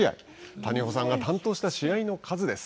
谷保さんが担当した試合の数です。